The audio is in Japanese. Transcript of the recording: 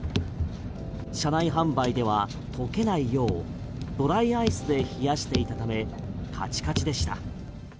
車内販売では溶けないようドライアイスで冷やしていたためカチカチでした。